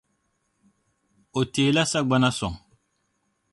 O teela sagbana sɔŋ.